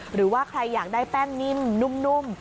หรือว่าใครอยากได้แป้งนิ่มนุ่ม